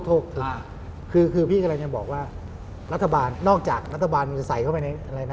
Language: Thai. คือคือพี่กำลังจะบอกว่ารัฐบาลนอกจากรัฐบาลมันจะใส่เข้าไปในอะไรนะ